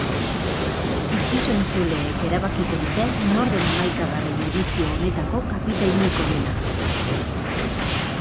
Ikus-entzuleek erabakiko dute nor den hamaikagarren edizio honetako kapitainik onena.